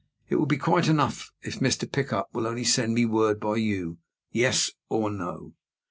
It will be quite enough if Mr. Pickup will only send me word by you Yes or No."